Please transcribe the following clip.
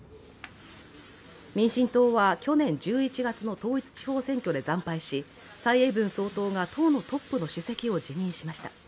民進党は去年１１月の統一地方選挙で惨敗し蔡英文総統が党のトップの主席を辞任しました。